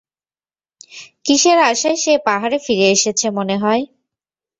কিসের আশায় সে পাহাড়ে ফিরে এসেছে মনে হয়?